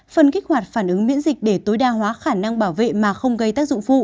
phần kích hoạt phản ứng miễn dịch để tối đa hóa khả năng bảo vệ mà không gây tác dụng phụ